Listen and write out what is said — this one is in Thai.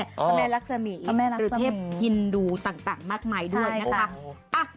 พระแม่รักษมิตรศิลปิศาสตร์ยินดูต่างมากมายด้วยนะคะอ่า